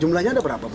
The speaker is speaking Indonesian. jumlahnya ada berapa